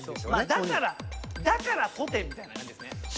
だからだからとてみたいな感じですね。